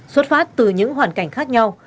xuất phát từ những hoàn cảnh khác nhau